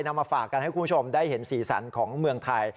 มาฝากกันให้คุณผู้ชมได้เห็นสีสันของเมืองไทย